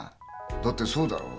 だってそうだろう？